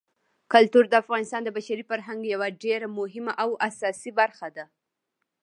کلتور د افغانستان د بشري فرهنګ یوه ډېره مهمه او اساسي برخه ده.